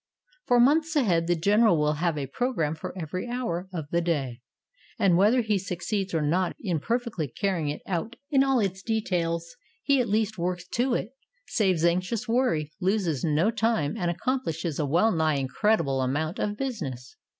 For months ahead the General will have a program for every hour of the day, and whether he succeeds or not in perfectly carrying it out in all its de tails, he at least works to it, saves anxious worry, loses no time and accomplishes a well nigh incredible amount of business.